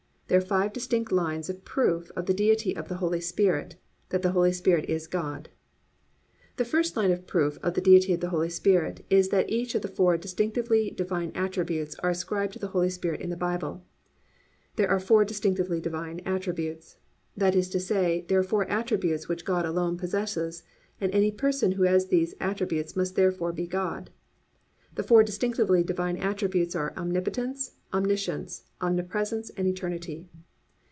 There are five distinct lines of proof of the Deity of the Holy Spirit, that the Holy Spirit is God. 1. The first line of proof of the Deity of the Holy Spirit is that each of the four distinctively Divine attributes are ascribed to the Holy Spirit in the Bible. There are four distinctively divine attributes; that is to say, there are four attributes which God alone possesses, and any person who has these attributes must therefore be God. The four distinctively divine attributes are omnipotence, omniscience, omnipresence and eternity.